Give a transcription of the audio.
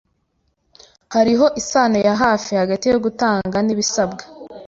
Hariho isano ya hafi hagati yo gutanga nibisabwa.